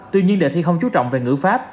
tuy nhiên đề thi không chú trọng về ngữ pháp